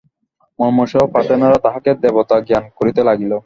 মুমূর্ষু পাঠানেরা তাঁহাকে দেবতা জ্ঞান করিতে লাগিল।